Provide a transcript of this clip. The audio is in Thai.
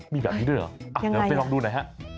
มีแบบนี้ด้วยเหรอเดี๋ยวไปลองดูหน่อยฮะ